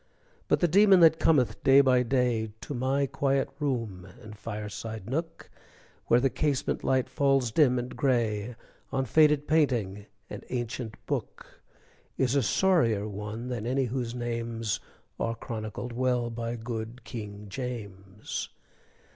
But the demon that cometh day by day To my quiet room and fireside nook, Where the casement light falls dim and gray On faded painting and ancient book, Is a sorrier one than any whose names Are chronicled well by good King James.